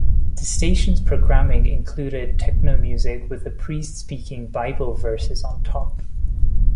The station's programming included techno music with a priest speaking Bible verses on top.